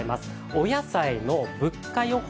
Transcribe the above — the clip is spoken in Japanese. お野菜の物価予報。